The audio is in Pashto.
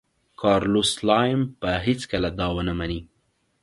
کارلوس سلایم به هېڅکله دا ونه مني.